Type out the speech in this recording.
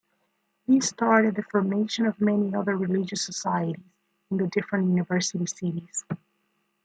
This started the formation of many other religious societies in the different university cities.